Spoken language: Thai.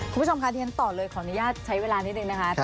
คุณผู้ชมคะที่ฉันต่อเลยขออนุญาตใช้เวลานิดนึงนะคะ